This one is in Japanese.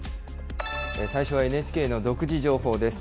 最初はＮＨＫの独自情報です。